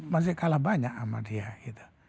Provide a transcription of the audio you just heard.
masih kalah banyak sama dia gitu